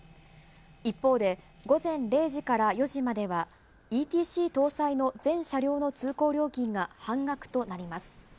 一方で、午前０時から４時までは、ＥＴＣ搭載の全車両の通行料金が半額となります。